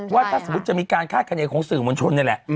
ว่าถ้าสมมุติจะมีการคาดคณีของสื่อมวลชนนี่แหละ